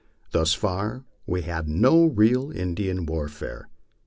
Thus far we had had no real Indian warfare.